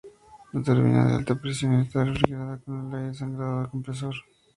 La turbina de alta presión está refrigerada con el aire sangrado del compresor.